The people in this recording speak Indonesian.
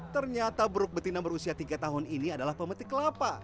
ternyata buruk betina berusia tiga tahun ini adalah pemetik kelapa